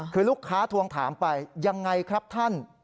คือลูกค้าทวงถามไปยังไงครับท่าน